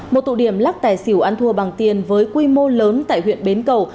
một tụ điểm lắc tài xỉu ăn thua bằng tiền với quy mô lớn tại huyện bến cầu